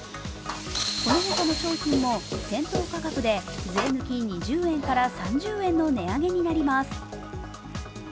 この他の商品も店頭価格で税抜き２０円から３０円の値上げになります。